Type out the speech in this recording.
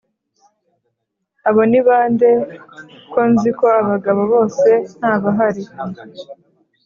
abo nibande ko nziko abagabo bose ntabahari